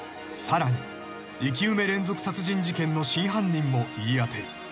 ［さらに生き埋め連続殺人事件の真犯人も言い当てる］